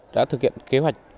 đã thực hiện kế hoạch